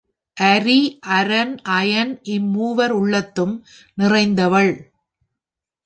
அரி, அரன், அயன் இம்மூவர் உள்ளத்தும் நிறைந்தவள்.